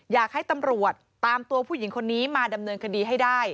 อยากให้ตำรวจตามตัวผู้หญิงคนนี้มาดำเนินคดีให้ได้